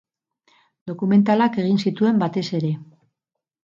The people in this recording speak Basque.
Dokumentalak egin zituen batez ere.